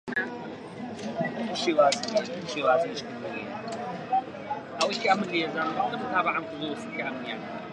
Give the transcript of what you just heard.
چووم لە ماڵە تەنیایییەکەی خۆی کەوتبوو.